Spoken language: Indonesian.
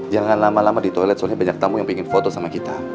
jangan lama lama di toilet soalnya banyak tamu yang ingin foto sama kita